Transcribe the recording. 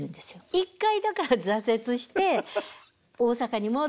一回だから挫折して大阪に戻って。